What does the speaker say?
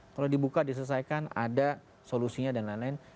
kalau dibuka diselesaikan ada solusinya dan lain lain